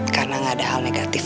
karena gak ada hal negatif